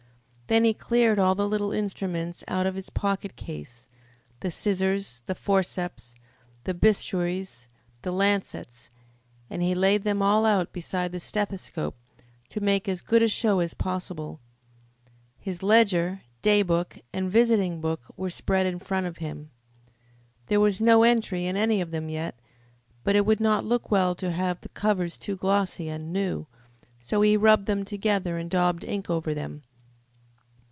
Then he cleared all the little instruments out of his pocket case the scissors, the forceps, the bistouries, the lancets and he laid them all out beside the stethoscope, to make as good a show as possible. His ledger, day book, and visiting book were spread in front of him. There was no entry in any of them yet, but it would not look well to have the covers too glossy and new, so he rubbed them together and daubed ink over them.